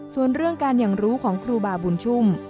ส่วนเรื่องการอย่างรู้ของครูบาบุญชุ่ม